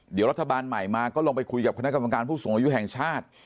เดี๋ยวรัฐบาลใหม่มาก็ลองไปคุยกับคณะกรรมการผู้สูงอายุแห่งชาติ